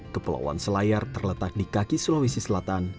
kepulauan selayar terletak di kaki sulawesi selatan